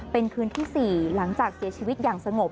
เป็นคืนที่๔หลังจากเสียชีวิตอย่างสงบ